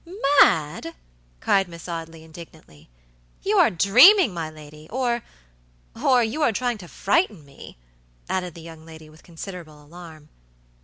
"Mad!" cried Miss Audley, indignantly; "you are dreaming, my lady, ororyou are trying to frighten me," added the young lady, with considerable alarm.